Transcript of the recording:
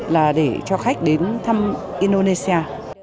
các khách đến thăm indonesia